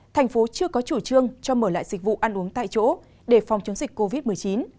thành phố chưa có chủ trương cho mở lại dịch vụ ăn uống tại chỗ để phòng chống dịch covid một mươi chín